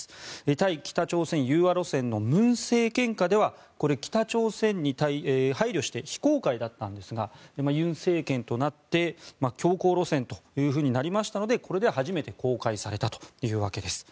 対北朝鮮融和路線の文政権下ではこれ、北朝鮮に配慮して非公開だったんですが尹政権となって強硬路線となりましたのでこれで初めて公開されたというわけです。